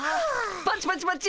パチパチパチ！